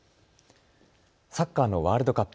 サッカーのワールドカップ。